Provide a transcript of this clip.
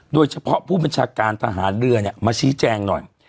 โดยเฉพาะผู้บัญชาการทหารเรือเนี่ยมาชี้แจงหน่อย